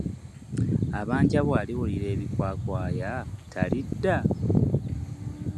Abanja bw’aliwulira ebikwakwaya, talidda!